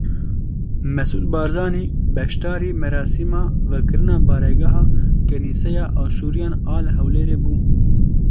Mesûd Barzanî beşdarî merasîma vekirina Baregeha Kenîseya Aşûriyan a li Hewlêrê bû.